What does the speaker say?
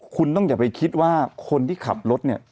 คุณต้องอย่าไปคิดว่าคนที่ขับรถเนี่ย